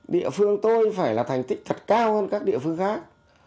địa phương tôi phải là thành tích thật cao hơn các địa phương khác